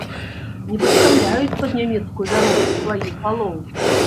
Не падстаўляюць пад нямецкую вяроўку сваіх галоў.